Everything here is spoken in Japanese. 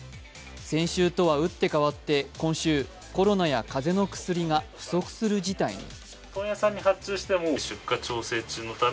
先週とは打って変わって今週、コロナや風邪の薬が不足する事態に。